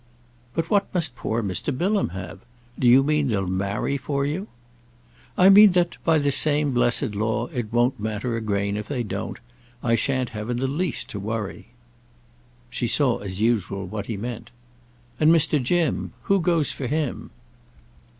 "But what must poor Mr. Bilham have? Do you mean they'll marry for you?" "I mean that, by the same blessed law, it won't matter a grain if they don't—I shan't have in the least to worry." She saw as usual what he meant. "And Mr. Jim?—who goes for him?"